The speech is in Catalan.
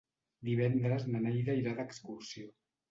Divendres na Neida irà d'excursió.